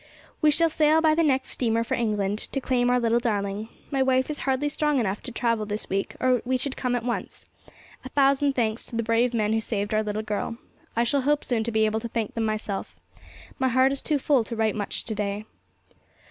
'We shall sail by the next steamer for England, to claim our little darling. My wife is hardly strong enough to travel this week, or we should come at once. A thousand thanks to the brave men who saved our little girl. I shall hope soon to be able to thank them myself. My heart is too full to write much to day.